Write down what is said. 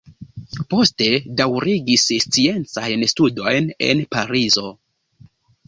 Poste daŭrigis sciencajn studojn en Parizo.